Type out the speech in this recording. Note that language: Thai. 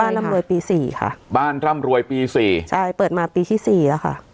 ร่ำรวยปีสี่ค่ะบ้านร่ำรวยปีสี่ใช่เปิดมาปีที่สี่แล้วค่ะ